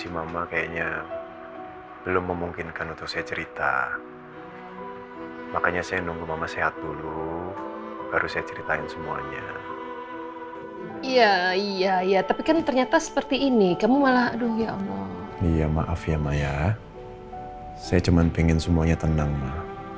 maaf ya maya saya cuma pengen semuanya tenang ma